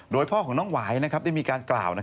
โดยพ่อของน้องหวายได้มีการกล่าว